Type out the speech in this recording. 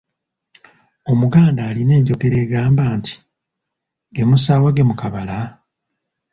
Omuganda alina enjogera egamba nti. “Ge musaawa gemukabala?